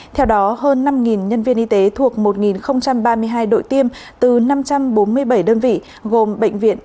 theo đó hơn năm nhân viên y tế thuộc một ba mươi hai đội tiêm từ năm trăm bốn mươi bảy đơn vị gồm bệnh viện